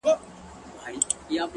• هره توره, هر میدان, او تورزن زما دی,